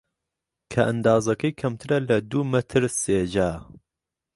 کە ئەندازەکەی کەمترە لە دوو مەتر سێجا